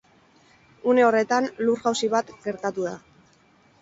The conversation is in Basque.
Une horretan, lur-jausi bat gertatu da.